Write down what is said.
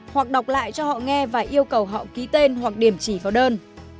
hoặc đọc lại cho họ nghe và yêu cầu họ ký tên hoặc điểm chỉ vào đơn